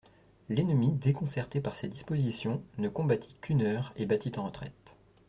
L'ennemi, déconcerté par ces dispositions, ne combattit qu'une heure et battit en retraite.